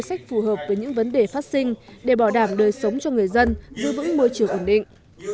sách phù hợp với những vấn đề phát sinh để bảo đảm đời sống cho người dân giữ vững môi trường ổn định